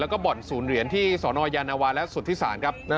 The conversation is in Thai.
แล้วก็บ่อนศูนย์เหรียญที่สนยานวาและสุธิศาลครับ